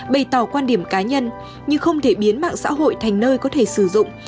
bày tỏ quan điểm cá nhân như không thể biến mạng xã hội thành nơi có thể sử dụng